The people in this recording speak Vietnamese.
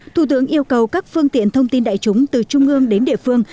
thủ tướng yêu cầu các phương tiện thông tin đại chúng từ trung ương đến địa phương